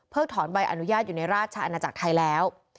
ถอนใบอนุญาตอยู่ในราชอาณาจักรไทยแล้ว